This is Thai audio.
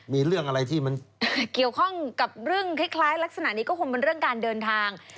มีเรื่องอะไรที่มันเกี่ยวข้องกับเรื่องคล้ายลักษณะนี้ก็คงเป็นเรื่องการเดินทาง